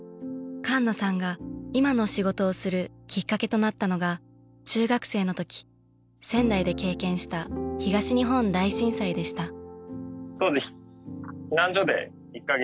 菅野さんが今の仕事をするきっかけとなったのが中学生の時仙台で経験した東日本大震災でした。